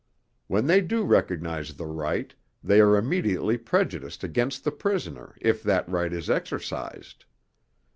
When they do recognize the right, they are immediately prejudiced against the prisoner if that right is exercised.